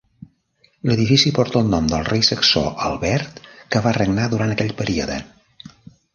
L'edifici porta el nom del rei saxó Albert, que va regnar durant aquell període.